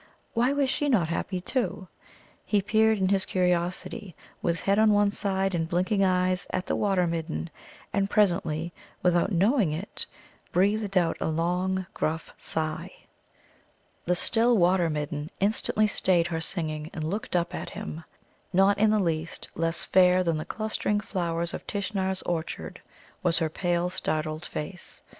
why was she not happy, too? He peered in his curiosity, with head on one side and blinking eyes, at the Water midden, and presently, without knowing it, breathed out a long, gruff sigh. The still Water midden instantly stayed her singing and looked up at him. Not in the least less fair than the clustering flowers of Tishnar's orchard was her pale startled face.